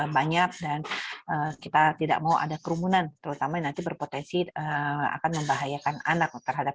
banyak dan kita tidak mau ada kerumunan terutama nanti berpotensi akan membahayakan anak terhadap